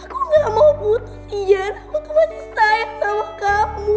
kamu jangan nangis gini ya